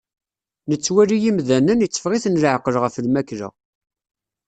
Nettwali imdanen, itteffeɣ-iten leɛqel ɣer lmakla.